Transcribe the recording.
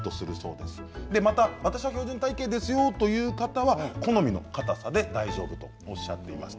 また、標準体形ですよという方は好みのかたさで大丈夫とおっしゃっていました。